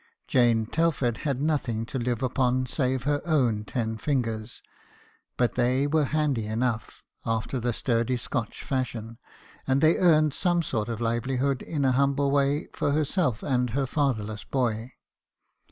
Janet Telford had nothing to live upon save her own ten fingers ; but they were handy enough, after the sturdy Scotch fashion, and they earned some sort of livelihood in a humble way for herself and her fatherless boy.